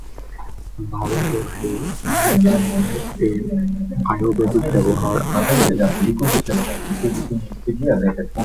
ভারতবর্ষের অনেক জায়গায় এর আয়ুর্বেদিক ব্যবহার আছে।